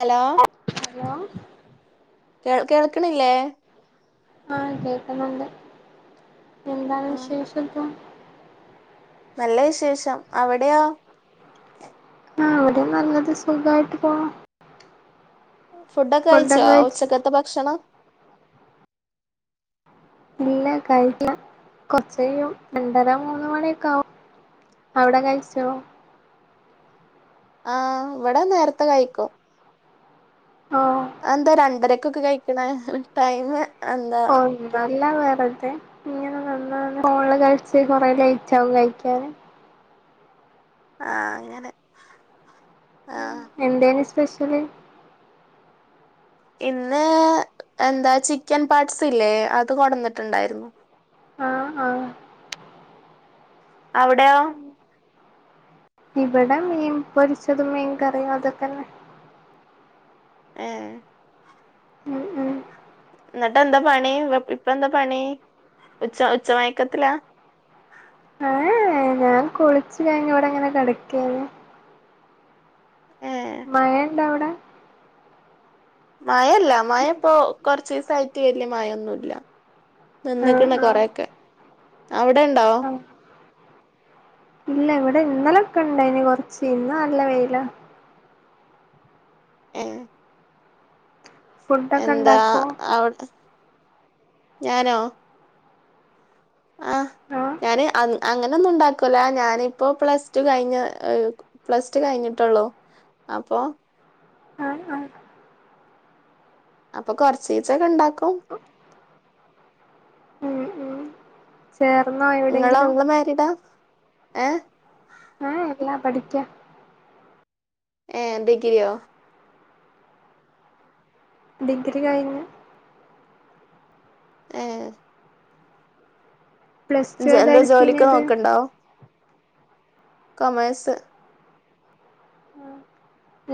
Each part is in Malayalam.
ഹലോ ഹലോ കേ കേൾക്കണില്ലേ ആഹ് കേക്കുന്നുണ്ട് എന്താണ് ആ വിശേഷം ഇപ്പൊ നല്ല വിശേഷം അവിടെയോ? ആഹ് ഇവിടെ നല്ലത് സുഖായിട്ട് പോണു ഫുഡൊക്കെ കഴിച്ചോ ഉച്ചക്കത്തെ ഭക്ഷണം. ഇല്ല കഴിട്ടില്ല കൊറച്ചഴിയും രണ്ടര മൂന്ന് മണിയൊക്കെ ആവും അവിടെ കഴിച്ചോ. ആഹ് ഇവടെ നേരത്തെ കഴിക്കും ആഹ് അഹ് എന്താ രണ്ടരക്കൊക്കെ കഴിക്കണത് ടൈമ് [unintelligible] അല്ല വെറുതെ ഇങ്ങനെ നിന്ന് നിന്ന് ഫോണില് കളിച്ച് കൊറെ ലേറ്റ് ആവും കഴിക്കാന് ആഹ് അങ്ങനെ ആ എന്തേനിം സ്പെഷ്യല്? ഇന്ന് എന്താ ചിക്കൻ പാർട്സ് ഇല്ലേ അത് കൊടന്നിട്ടുണ്ടായിരുന്നു ആഹ് ആഹ് അവിടെയോ? ഇവിടെ മീൻ പൊരിച്ചതും മീൻ കറിയും അതൊക്കെന്നെ ഏഹ് ഉം ഉം എന്നിട്ടെന്താ പണി ഇപ്പെന്താ പണി ഉച്ച ഉച്ച മയക്കത്തിലാ ഏഹ് ഞാൻ കുളിച്ച് കഴിഞ്ഞ് ഇവടെങ്ങനെ കെടക്കയ്നിം ഏ മഴണ്ടോ അവിടെ മഴഇല്ല മഴ ഇപ്പോ കൊറച്ചിസായിട്ട് വല്ല്യ മഴയൊന്നുല്ല ആഹ് തിന്ന്ക്കണ് ആഹ് കൊറേക്കെ അവിടെ ഉണ്ടാ ആഹ് ഇല്ല ഇവിടെ ഇന്നലൊക്കെ ഇണ്ടായിന് കൊറച്ച് ഇന്ന് നല്ല വെയിലാ ഏ ഫുഡൊക്കെ എന്താ ഇണ്ടാക്കോ അവിടെ [inaudible] ഞാനോ ആഹ് ഞാന് അങ്ങ് അങ്ങനൊന്നും ഉണ്ടാക്കൂല ഞാനിപ്പോ പ്ലസ് ടു കഴിഞ്ഞ് പ്ലസ് ടു കഴിഞ്ഞിട്ടുള്ളോ അപ്പൊ ആഹ് ആഹ് അപ്പൊ കൊറചീച്ചെക്കെ എണ്ടാക്കും ഉം ഉം ചേർന്നോ നിങ്ങളോ എവിടെങ്കിലും ഇങ്ങള് മാരിടാ ഏഹ് ഊഹും ഇല്ല പഠിക്ക ഏഹ് ഡിഗ്രിയോ ഡിഗ്രി കഴിഞ്ഞു ഏഹ് പ്ലസ് ടു ഇജ് ഏതാ എന്താ ജോലിക്ക് എടുത്തീനത് നോക്കണ്ടോ കൊമേഴ്സ്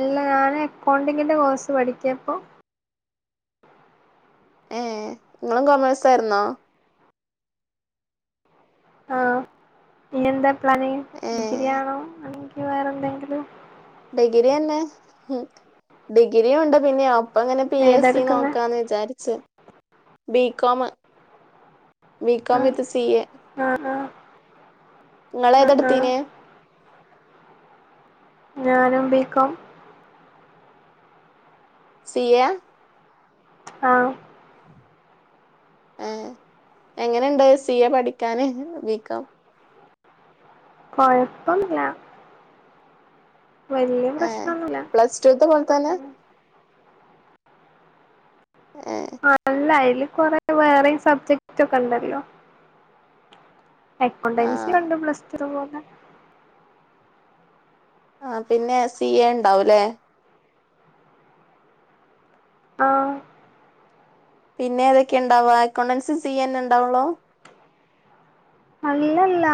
ഇല്ല ഞാന് എക്കൗണ്ടിങ്ങിന്റെ കോഴ്സ് പഠിക്കയിപ്പോ ഏ നിങ്ങളും കോമേഴ്സാരുന്നോ ആഹ് ഇനി എന്താ പ്ലാനിങ്ങ് ഏ ഡിഗ്രി ആണോ അല്ലെങ്കി വേറെ എന്തെങ്കിലും ഡിഗ്രിയന്നെ ഡിഗ്രിയൊണ്ട് പിന്നെ ഒ അപ്പൊ അങ്ങനെ പി ഏതാ എസ് സി എടുക്കുന്നെ നോക്കാന്ന് വിചാരിച്ച് ബികോമ് ബി കോം ആഹ് വിത്ത് സി എ ആഹ് ആഹ് ആഹ് ആഹ് ഇങ്ങളേതെടുത്തീന് ഞാനും ബി കോം സിയെയാ ആഹ് ആഹ് എങ്ങനെണ്ട് സി എ പഠിക്കാന് വീക്കാ കൊഴപ്പം ഇല്ല വലിയ ഏഹ് പ്രശ്നം ഒന്നുല്ല പ്ലസ് ടു ൽത്ത പോലെത്തന്നെ എഹ് ആഹ് അല്ല അതില് കൊറെ വേറെയും സബ്ജക്ടാെക്കെണ്ടല്ലോ എക്കൗണ്ടൻസി ആഹ് ഒണ്ട് പ്ലസ് ടു ലെ പോലെ ആഹ പിന്നെ സി എ ഉണ്ടാവൂല്ലേ ആഹ് പിന്നെ ഏതൊക്കെ എണ്ടാവുക്കാ എക്കൗണ്ടൻസി സി എ ന്നെണ്ടാ വോള്ളോ അല്ലല്ല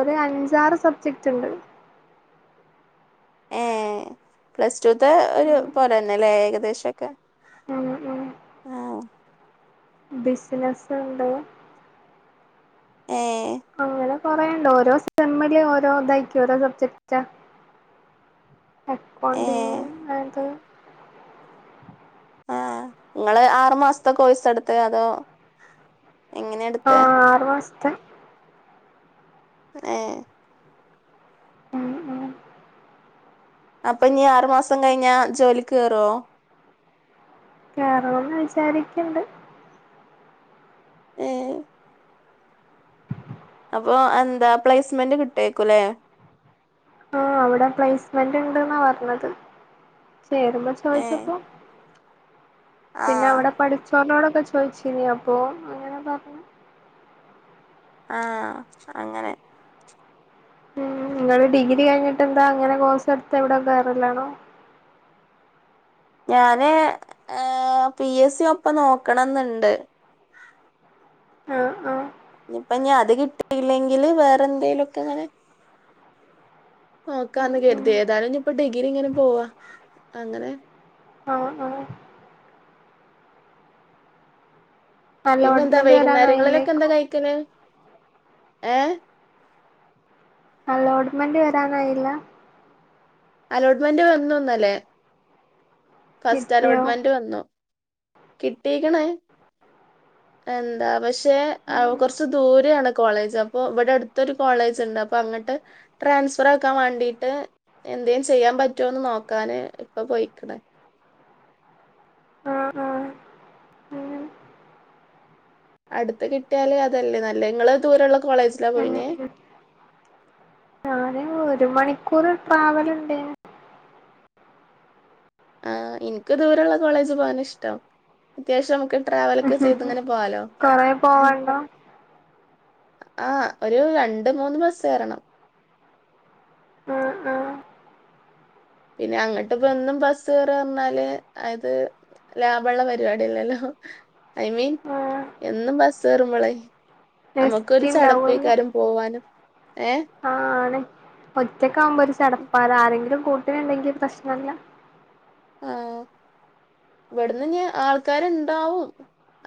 ഒരു അഞ്ചാറ് സബ്ജക്റ്റ്ണ്ട് ഏഹ് പ്ലസ്ടുത്തെ ഒരു ഉം പോലെ തന്നെല്ലേ ഏകദേശൊക്കെ മ് മ് ആഹ് ബിസിനസ് ഇണ്ടോ ഏഹ് അങ്ങനെ കൊറേയ്ണ്ട് ഓരോ സെമ്മില് ഓരോ ഇതായിക്കു ഓരോ സബ്ജക്റ്റാ അക്കൗണ്ടിങ് ഏഹ് അത് ആഹ് ഇങ്ങള് ആറു മാസത്തെ കോഴ്സെടുത്തെ അതോ എങ്ങനെ എടുത്തെ ആഹ് ആറ് മാസത്തെ ഏഹ് ഉം ഉം അപ്പ ഇഞ്ഞി ആറു മാസം കഴിഞ്ഞ ജോലിക്ക് കയറോ കേറണംന്ന് വിചാരിക്കെണ്ട് ഏഹ് അപ്പൊ എന്താ പ്ലേസ്മെന്റ് കിട്ടേക്കുലേ ആഹ് അവിടെ പ്ലേസ്മെന്റിണ്ട്ന്നാ പറഞ്ഞത് ചേരുമ്പൊ ഏഹ് ചോയ്ച്ചപ്പൊ പിന്നെ ആഹ് അവിടെ പഠിച്ചോർനോടൊക്കെ ചോയിച്ചിനി അപ്പോ അങ്ങനെ പറഞ്ഞു ആഹ് അങ്ങനെ ഉം നിങ്ങള് ഡിഗ്രി കഴിഞ്ഞിട്ടെന്താ അങ്ങനെ കോഴ്സ് എടുത്ത് എവിടെ കേറലാണോ ഞാന് ഏഹ് പി എസ് സി ഒപ്പം നോക്കണംന്നിണ്ട് ആഹ് അ ഇനിപ്പിഞ്ഞി അത് കിട്ടിയില്ലെങ്കില് വേറെ എന്തേലൊക്കെ ഇങ്ങനെ ഉം നോക്കാന്ന് ഉം കരുതി ഏതായാലും ഇഞ്ഞിപ്പൊ ഡിഗ്രി ഇങ്ങനെ പോവാ അങ്ങനെ ആഹ് ആഹ് പിന്നെന്താ അലോട്ട്മെന്റ് വൈകുന്നേരങ്ങളിലൊക്കെ എന്താ വരാനായില്ലേക്കും കഴിക്കല് ഏഹ് അലോട്ട്മെന്റ് വരാൻ കഴിയില്ല അലോട്ട്മെന്റ് വന്നു ഇന്നലെ കിട്ടിയോ ഫസ്റ്റലോട്ട്മെന്റ് വന്നു കിട്ടീക്കണ് എന്താ പ ക്ഷെ ഉം കുറച്ച് ദൂരെയാണ് കോളേജ പ്പൊ ഇവിടെ അടുത്തൊരു കോളേജിണ്ട് അപ്പൊ അങ്ങട്ട് ട്രാൻസ്ഫർ ആക്കാൻ വേണ്ടിയിട്ട് എന്തേലും ചെയ്യാൻ പറ്റുമോന്ന് നോക്കാന് ഇപ്പ പോയീക്കണ് ആഹ് ആഹ് ഉം അടുത്ത് കിട്ടിയാല് അതല്ലെ നല്ലത് ഇങ്ങള് ദൂരയുള്ള കോളേജ് ഞാന് ഒരു മണിക്കൂറ് ട്രാവലിണ്ടേന് അഹ് എനിക്ക് ദൂരയുള്ള കോളേജി പോകാനാ ഇഷ്ടം അത്യാവശ്യം നമുക്ക് ട്രാവലൊക്കെ ചെയ്തിങ്ങനെ പോവാലോ കൊറേ പോവാണ്ടോ ആഹ് ഒരു രണ്ട് മൂന്ന് ബസ്സ് കേറണം അഹ് ആഹ് പിന്നെ അങ്ങട്ടിപ്പ എന്നും ബസ് കേറാന്ന് പറഞ്ഞാല് അത് ലാഭള്ള പരിപാടിയല്ലല്ലൊ ഐ മീൻ ആഹ് എന്നും ബസ് കെയറുമ്പളെ എസ് നമുക്കൊരു ടി ചടപ്പേക്കാരും പോവാനും ഏഹ് ആഹ് ആണ് ഒറ്റക്കാവുമ്പൊ ഒരു ചടപ്പാണ് ആരെങ്കിലും കൂട്ടിനിണ്ടെങ്കി പ്രശ്നില്ല ഇവിടുന്നിനി ആൾക്കാരിണ്ടാവും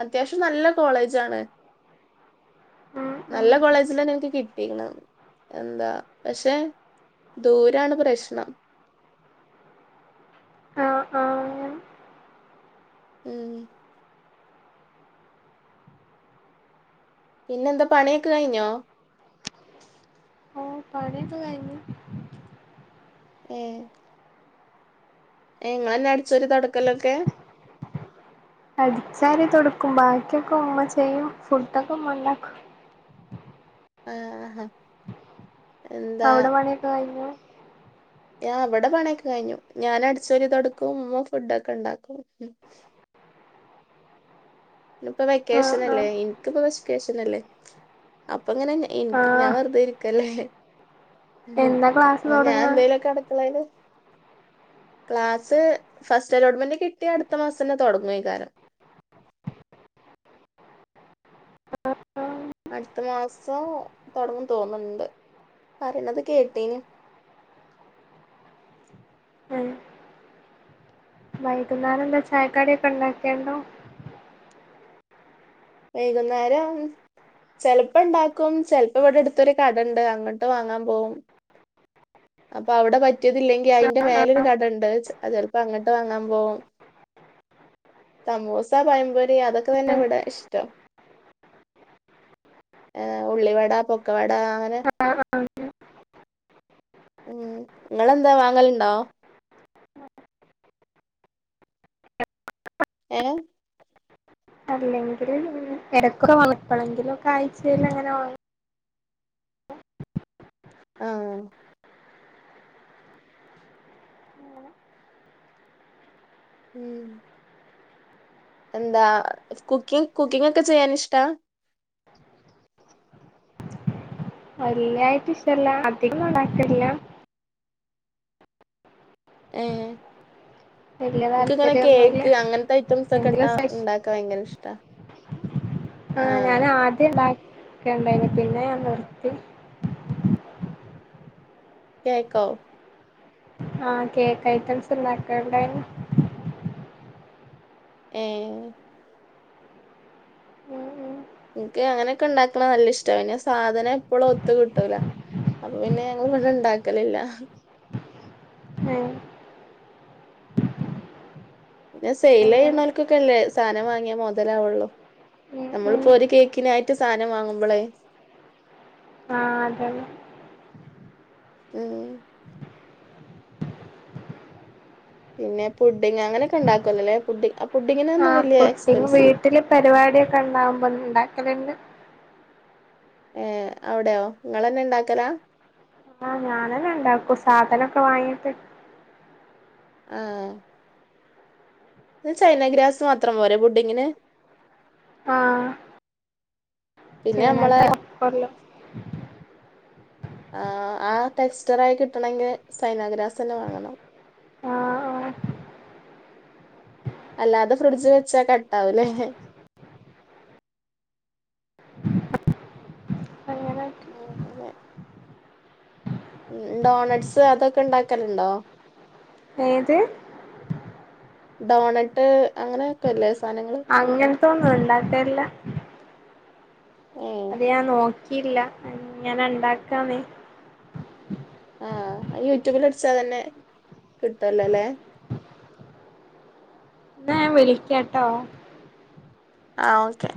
അത്യാവശ്യം നല്ല കോളേജാണ് ഉം ഉം നല്ല കോളേജിലന്നെ എനിക്ക് കിട്ടീക്കണ് എന്താ പക്ഷെ ദൂരാണ് പ്രശ്നം ആഹ് ആഹ് ഉം പിന്നെന്ത പണിയൊക്കെ കഴിഞ്ഞോ ഓ പണിയൊക്കെ കഴിഞ്ഞ് ഏഹ് ഏ ഇങ്ങളെന്നെ അട്ച്ചോരി തൊട്ക്കലൊക്കേ അട്ച്ചാരി തൊട്ക്കും ബാക്കിക്കെ ഉമ്മ ചെയ്യും ഫുഡൊക്കെ ഉമ്മ ഉണ്ടാക്കും ആഹ് ആഹ് അവ്ടെ പണിയൊക്കെ കഴിഞ്ഞോ യാ ഇബടെ പണിക്കെ കഴിഞ്ഞു ഞാനട്ച്ചോരി തൊട്ക്കും ഉമ്മ ഫുഡൊക്കെ ണ്ടാക്കും ഇപ്പൊ ആഹ് വെക്കേഷനല്ലേ ആഹ് ഇൻക്പ്പോ വെഷ് വെക്കേഷനല്ലേ അപ്പ ങ്ങനെ ഇൻക് ഞാൻ ആഹ് വെറുതെ ഇരിക്കല്ലേ ഉം എന്നാ ക്ലാസ് അപ്പൊ ഞാൻ തൊടങ്ങ എന്തേലുക്കെ അടുക്കളേല് ക്ലാസ് ഫസ്റ്റ് അലോട്ട്മെന്റ് കിട്ടിയാ അടുത്ത മാസന്നെ തൊട്ങ്ങൊയ്ക്കാരം അട്ത്ത മാസം തോട്ങ്ങും തോന്നുണ്ട് പറിണത് കേട്ടീന്നു വൈകുന്നേരംന്താ ചായക്കടിക്കെ ണ്ടാക്കിയണ്ടോ വൈകുന്നേരം ചെലപ്പ ണ്ടാക്കും ചെൽപ്പ വടെ അടുത്തൊര് കടണ്ട് അങ്ങട്ട് വാങ്ങാൻ പോകും അപ്പൊ അവ്ടെ പറ്റിയതില്ലെങ്കി അയ്ന്റെ മേലൊരു കടണ്ട് ചെ ചെൽപ്പൊ അങ്ങട്ട് വാങ്ങാൻ പോകും [inaudible] സമുസ പയംപൊരി അതൊക്കെ തന്നെ വ്ടെ ഇഷ് ആ ഉള്ളി വട പൊക്ക വട അങ്ങനെ ഉം ങ്ങളെന്താ വാങ്ങല്ണ്ടോ ഏഹ് അല്ലെങ്കില് പിന്നെ എടക്കൊക്കെ വാങ്ങും എപ്പളങ്കിലൊക്കെ ആഴ്ചയിലങ്ങനെ വാങ്ങും ആഹ് ഉം എന്താ കുക്കിങ് കുക്കിങ്‌ ഒക്കെ ചെയ്യാൻ ഇഷ്ടാ വല്യായിട്ട് ഇഷടല്ല അധികൊന്നും ഉണ്ടാക്കല് ല്ല്യാ ഏ വല്യ ഇക്ക് ഇങ്ങനെ താല്പര്യൊന്നുല്ല കേക്ക് അങ്ങൻത്തെ ഐറ്റംസ് ഒക്കെ എങ്കിലും ഇട്ടാ സ്പെഷ് ഇണ്ടാ ക്കാ ഭയങ്കര ഇഷ്ടാ ആ ആഹ് ഞാന് ആദ്യം ണ്ടാക്കല് ണ്ടായ്ന്നു പിന്നെ ഞാൻ നിർത്തി കേക്കോ ആ കേക്ക് ഐറ്റംസ് ണ്ടാക്കല് ണ്ടായ്നു ഏഹ് ഉം ഉം ഇൻക്ക് അങ്ങനെയൊക്കെ ണ്ടാക്കണത് നല്ല ഇഷ്ട പിന്നേ സാധനം എപ്പോഴും ഒത്ത് കിട്ടൂല അപ്പൊ പിന്നെ ഞങ്ങള് വടെ ണ്ടാക്കലില്ല ഏഹ് പിന്നെ സെയ് അങ്ങനെ ലെയ്യ്ണോൽക്കൊക്കെ അല്ലേ സാനം വാങ്ങിയാ മൊതലാവൊള്ളൂ ഉം ഉം നമ്മളിപ്പോ ഒരു കേക്കിനായിട്ട് സാനം വാങ്ങുമ്പളേയ് ആഹ് അതന്നെ ഉം പിന്നെ പുഡിങ്ങ് അങ്ങനൊക്കെ ണ്ടാക്കൊല്ല ലേ പുഡ് പുഡിങ്ങിനൊന്നും ആഹ് വല്യ പുട്ടിങ് എക്സ്പെൻസില്ല വീട്ടില് പരിപാടിയൊക്കെ ണ്ടാകുമ്പോ ണ്ടാക്കല്ണ്ട് ഏ അവ്ടെയോ ഇങ്ങളെന്നെ ണ്ടാക്കലാ ഞാനെന്നെ ണ്ടാക്കും സാധനൊക്കെ വാങ്ങിയിട്ട് ആഹ് ചൈന ഗ്രാസ് മാത്രം പോരെ പുഡിങ്ങിന് ആഹ് പിന്നെ നമ്മളെ [unintelligible] ആ ആ ടെക്സ്റ്ററായി കിട്ടണെങ്കിൽ സൈനാഗ്രാസന്നെ വാങ്ങണം ആഹ് ആഹ് അല്ലാതെ ഫ്രിഡ്ജ് വെച്ചാൽ കട്ടാവൂലെ അങ്ങനാക്കി മ് പിന്നെ ഡോണഡ്സ് അതൊക്കെ ഉണ്ടാക്കലുണ്ടോ ഏത് ഡോണട്ട് അങ്ങനെയൊക്കെല്ലേ സാധനങ്ങള് അങ്ങനത്തൊന്നും ഉണ്ടാക്കലല്ലാ ഏ അത് ഞാൻ നോക്കിയില്ല ഏങ്ങനെ ഉണ്ടാക്കാനേ ആഹ് യൂട്യൂബിൽ അടിച്ചാ തന്നെ കിട്ടുവല്ലേ അല്ലെ എന്നാ ഞാൻ വിളിക്കാട്ടോ ആഹ് ഓക്കെ